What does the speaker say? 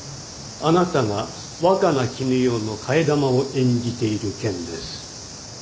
あなたが若菜絹代の替え玉を演じている件です。